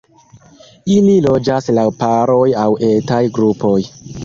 Ili loĝas laŭ paroj aŭ etaj grupoj.